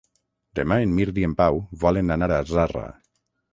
Demà en Mirt i en Pau volen anar a Zarra.